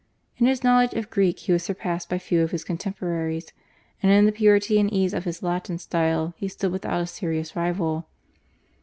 In his knowledge of Greek he was surpassed by few of his contemporaries, and in the purity and ease of his Latin style he stood without a serious rival.